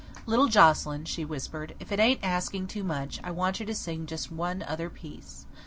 "Little Joscelyn," she whispered, "if it ain't asking too much, I want you to sing just one other piece.